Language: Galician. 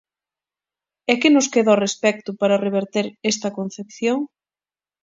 E que nos queda ao respecto para reverter esta concepción?